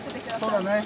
そうだね。